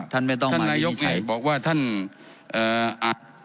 ท่านไม่ต้องมาไม่ได้ใช้ท่านนายกไงบอกว่าท่านเอ่ออ่า